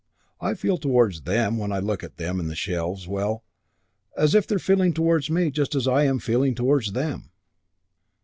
I feel towards them when I look at them in the shelves, well, as if they were feeling towards me just as I am feeling towards them."